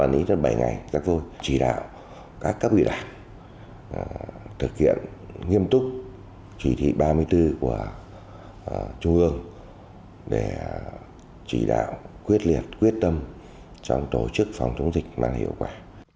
nghiêm túc chỉ thị ba mươi bốn của trung ương để chỉ đạo quyết liệt quyết tâm trong tổ chức phòng chống dịch mà hiệu quả